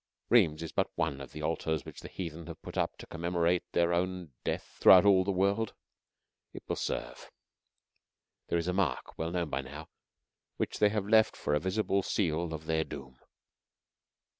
Rheims is but one of the altars which the heathen have put up to commemorate their own death throughout all the world. It will serve. There is a mark, well known by now, which they have left for a visible seal of their doom.